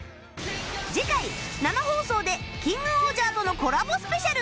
次回生放送で『キングオージャー』とのコラボスペシャル